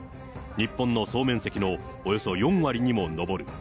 日本の総面積のおよそ４割にも上る。